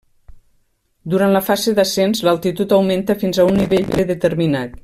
Durant la fase d'ascens, l'altitud augmenta fins a un nivell predeterminat.